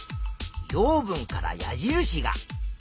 養分から矢印が。